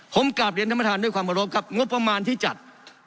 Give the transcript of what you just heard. ผมกลับเรียนธรรมธรรมด้วยความรับครับงบประมาณที่จัด